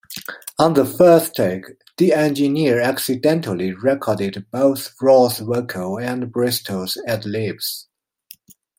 On the first take, the engineer accidentally recorded both Ross's vocal and Bristol's ad-libs.